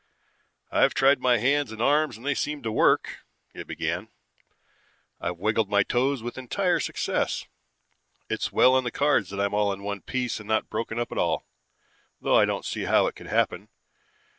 "I've tried my hands and arms and they seem to work," it began. "I've wiggled my toes with entire success. It's well on the cards that I'm all in one piece and not broken up at all, though I don't see how it could happen.